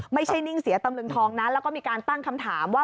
ไม่ใช่นิ่งเสียตำลึงทองนะแล้วก็มีการตั้งคำถามว่า